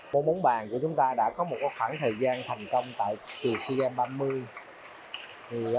bốn bóng bàn của chúng ta đã có một khoảng thời gian thành công tại sea games ba mươi